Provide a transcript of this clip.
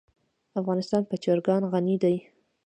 افغانستان په چرګان غني دی.